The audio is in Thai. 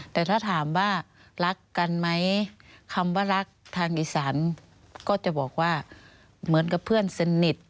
แต่ถ้าถามว่ารักกันไหมคำว่ารักทางอีสานก็จะบอกว่าเหมือนกับเพื่อนสนิท